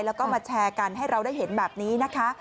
แล้วก็มาแชร์กันให้เราได้เห็นแบบนี้นะคะ